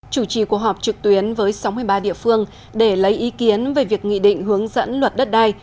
chủ trì cuộc họp trực tuyến với sáu mươi ba địa phương để lấy ý kiến về việc nghị định hướng dẫn luật đất đai